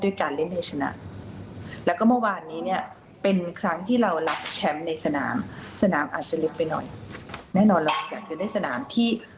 อยากจะได้สนามที่